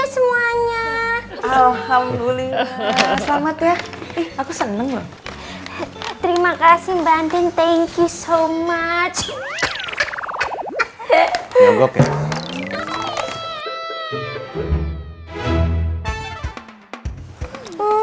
semuanya alhamdulillah selamat ya aku seneng terima kasih banding thank you so much ya udah